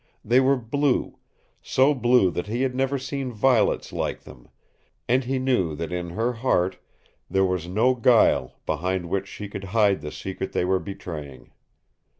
They were blue, so blue that he had never seen violets like them and he knew that in her heart there was no guile behind which she could hide the secret they were betraying.